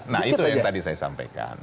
nah itu yang tadi saya sampaikan